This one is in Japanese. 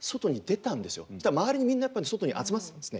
そしたら周りにみんなやっぱり外に集まってたんですね。